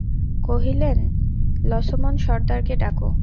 কহিলেন, লছমন সর্দারকে ডাকো।